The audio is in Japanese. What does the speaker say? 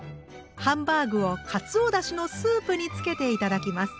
ハンバーグをかつおだしのスープにつけて頂きます。